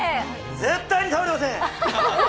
絶対に倒れません！